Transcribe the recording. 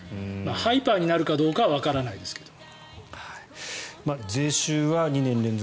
ハイパーになるかどうかはわからないですけど。